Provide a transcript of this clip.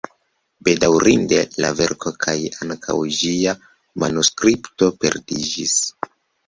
Bedaŭrinde la verko kaj ankaŭ ĝia manuskripto perdiĝis.